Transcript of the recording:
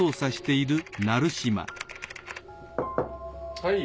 はい。